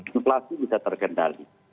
inflasi bisa terkendali